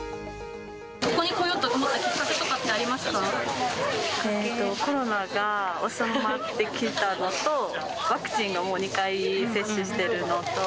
ここに来ようと思ったきっかコロナが収まってきたのと、ワクチンをもう２回接種してるのと。